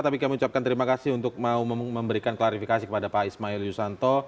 tapi kami ucapkan terima kasih untuk mau memberikan klarifikasi kepada pak ismail yusanto